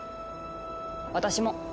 私も。